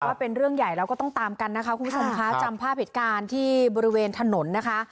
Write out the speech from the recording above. เป็นเรื่องใหญ่แล้วก็ต้องตามกันนะคะคุณผู้ชมคะจำภาพเหตุการณ์ที่บริเวณถนนนะคะ